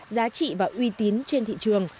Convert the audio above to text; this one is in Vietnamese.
giá trị và uy tín trên thị trường